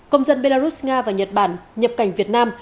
công dân belarus nga và nhật bản nhập cảnh việt nam